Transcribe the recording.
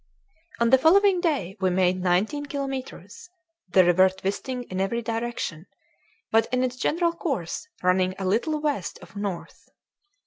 On the following day we made nineteen kilometres, the river twisting in every direction, but in its general course running a little west of north.